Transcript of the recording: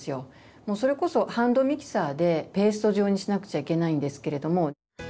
もうそれこそハンドミキサーでペースト状にしなくちゃいけないんですけれども。